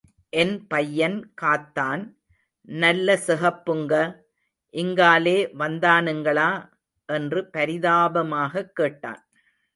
என் பையன் காத்தான்... நல்ல செகப்புங்க... இங்காலே வந்தானுங்களா? என்று பரிதாபமாகக் கேட்டான்.